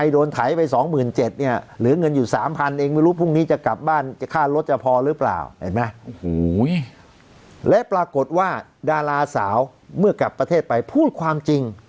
จะพอหรือเปล่าเห็นไหมโอ้โหและปรากฏว่าดาราสาวเมื่อกลับประเทศไปพูดความจริง